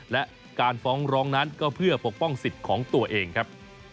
และการฟ้องร้องนั้นก็เพื่อปกป้องสิทธิ์ของตัวเองครับ